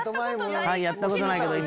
やったことないけど今。